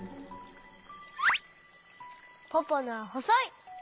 ポポのはほそい。